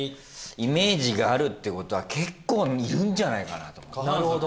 イメージがあるってことは結構いるんじゃないかと思って。